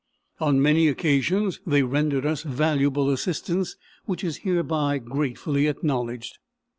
On many occasions they rendered us valuable assistance, which is hereby gratefully acknowledged.